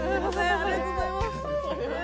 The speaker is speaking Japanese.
ありがとうございます！